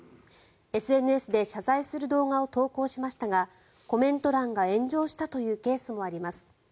ＳＮＳで謝罪する動画を投稿しましたがコメント欄が炎上したというケースもあります。